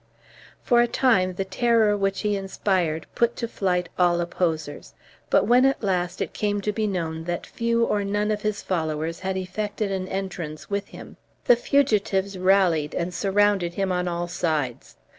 For a time the terror which he inspired put to flight all opposers, but when at last it came to be known that few or none of his followers had effected an entrance with him, the fugitives rallied and surrounded him on all sides.